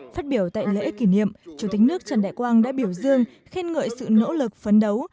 phát biểu tại lễ kỷ niệm chủ tịch nước trần đại quang đã biểu dương khen ngợi sự nỗ lực phấn đấu